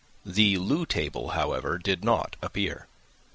The loo table, however, did not appear.